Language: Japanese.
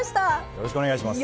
よろしくお願いします。